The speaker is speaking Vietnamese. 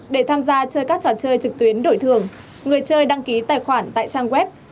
để tham gia chơi các trò chơi trực tuyến đổi thường người chơi đăng ký tài khoản tại trang web